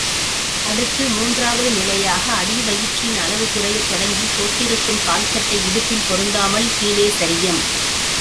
அடுத்து மூன்றாவது நிலையாக அடிவயிற்றின் அளவு குறையத் தொடங்கி போட்டிருக்கும் கால் சட்டை இடுப்பில் பொருந்தாமல் கீழே சரியும்.